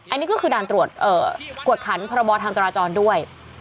อันนี้ก็คือด่านตรวจกวดขันพรบทางจราจรด้วย